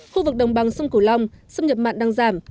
khu vực đồng bằng sông cửu long xâm nhập mặn đang giảm